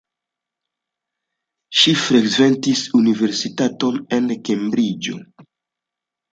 Ŝi frekventis universitaton en Kembriĝo.